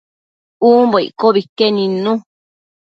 umbo iccobi que nidnu